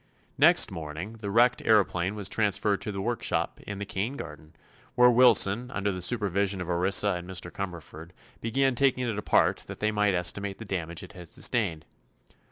Next morning the wrecked aëroplane was transferred to the workshop in the Kane garden, where Wilson, under the supervision of Orissa and Mr. Cumberford, began taking it apart that they might estimate the damage it had sustained.